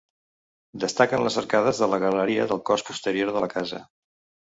Destaquen les arcades de la galeria del cos posterior de la casa.